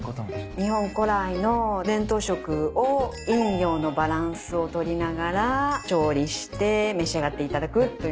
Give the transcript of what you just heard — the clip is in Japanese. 日本古来の伝統食を陰陽のバランスを取りながら調理して召し上がっていただくという。